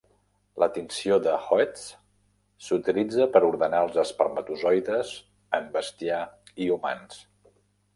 La tinció de Hoechst s'utilitza per ordenar els espermatozoides en bestiar i humans.